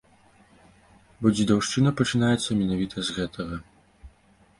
Бо дзедаўшчына пачынаецца менавіта з гэтага.